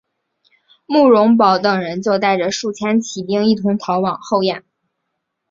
慕容宝等人就带着数千骑兵一同逃返后燕。